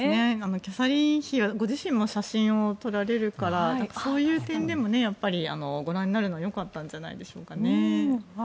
キャサリン妃はご自身も写真を撮られるからそういう点でも、ご覧になるのが良かったんじゃないですかね。